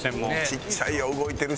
ちっちゃいよ動いてるし。